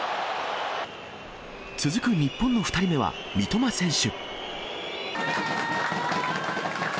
続く日本の２人目は三笘選手。